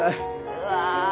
うわ。